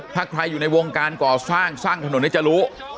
ถ้าใครอยู่ในวงการก่อสร้างสร้างถนนนี้จะรู้